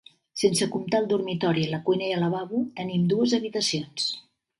Sense comptar el dormitori, la cuina i el lavabo, tenim dues habitacions.